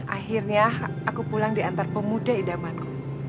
akhirnya aku pulang diantar pemuda idamanku